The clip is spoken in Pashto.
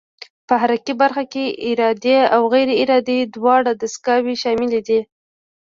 په حرکي برخه کې ارادي او غیر ارادي دواړه دستګاوې شاملې دي.